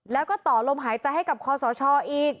แล้วก็ต่อลมหายใจให้กับคอสชอีก